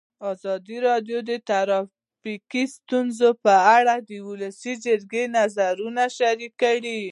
ازادي راډیو د ټرافیکي ستونزې په اړه د ولسي جرګې نظرونه شریک کړي.